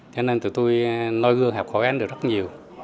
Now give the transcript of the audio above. cho nên tụi tôi nôi gương học hỏi anh được rất nhiều